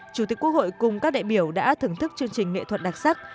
chủ tịch quốc hội cùng các đại biểu đã thưởng thức chương trình nghệ thuật đặc sắc